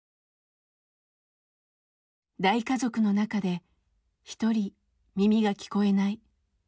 大家族の中で１人耳が聞こえない。